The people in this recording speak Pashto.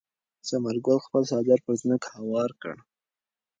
ثمر ګل خپل څادر پر ځمکه هوار کړ.